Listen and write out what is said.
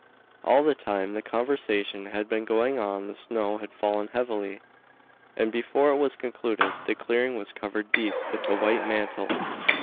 All the time the conversation had been going on the snow had fallen heavily, and before it was concluded the clearing was covered deep with the white mantle.